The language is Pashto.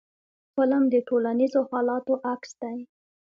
فلم د ټولنیزو حالاتو عکس دی